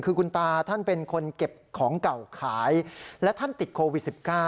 คือคุณตาท่านเป็นคนเก็บของเก่าขายและท่านติดโควิด๑๙